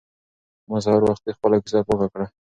ما سهار وختي خپله کوڅه پاکه کړه.